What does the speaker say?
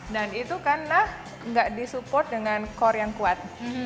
dan itu karena tidak disupport dengan core yang kuat